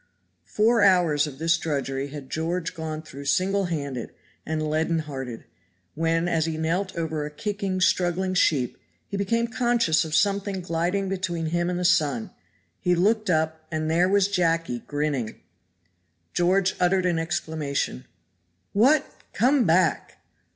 Four hours of this drudgery had George gone through single handed and leaden hearted, when as he knelt over a kicking, struggling sheep, he became conscious of something gliding between him and the sun; he looked up and there was Jacky grinning. George uttered an exclamation: "What, come back!